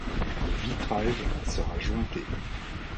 Le vitrage sera jointé.